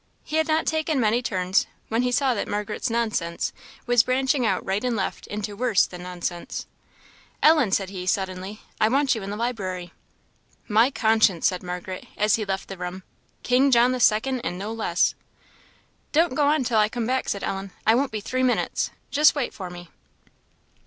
He had not taken many turns, when he saw that Margaret's nonsense was branching out right and left into worse than nonsense. "Ellen!" said he, suddenly "I want you in the library." "My conscience!" said Margaret, as he left the room "King John the second, and no less." "Don't go on till I come back," said Ellen; "I won't be three minutes; just wait for me."